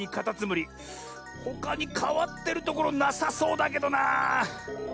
ほかにかわってるところなさそうだけどな。